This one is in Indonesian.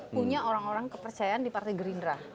punya orang orang kepercayaan di partai gerindra